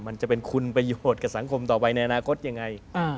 มันจะเป็นคุณประโยชน์กับสังคมต่อไปในอนาคตยังไง